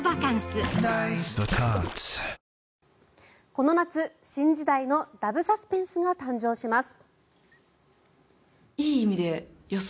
この夏新時代のラブサスペンスが誕生します。